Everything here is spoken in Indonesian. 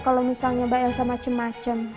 kalau misalnya mbak elsa macem macem